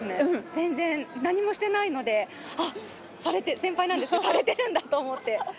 全然、何もしてないので、あっ、先輩なんですけど、されてるんだと思って。